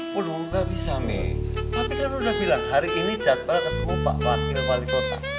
waduh gak bisa mih papi kan udah bilang hari ini jadwal ketemu pak wakil wali kota